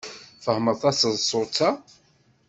Tfehmeḍ taseḍsut-a?